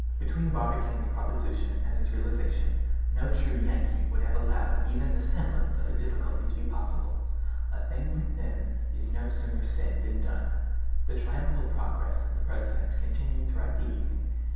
Between Barbicane's proposition and its realization no true Yankee would have allowed even the semblance of a difficulty to be possible. A thing with them is no sooner said than done. The triumphal progress of the president continued throughout the evening.